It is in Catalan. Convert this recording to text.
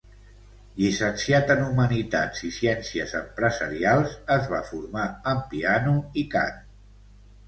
Llicenciat en Humanitats i Ciències Empresarials es va formar en piano i cant.